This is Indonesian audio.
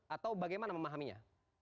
atau bagaimana memahaminya